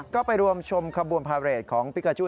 ก็ไปรวมชมขบวนพาเรทของพิกาจู้